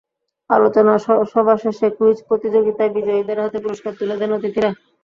আলোচনা সভা শেষে কুইজ প্রতিযোগিতায় বিজয়ীদের হাতে পুরস্কার তুলে দেন অতিথিরা।